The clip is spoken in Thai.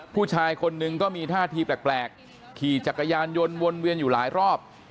ผู้ชายคนหนึ่งก็มีท่าทีแปลกขี่จักรยานยนต์วนเวียนอยู่หลายรอบ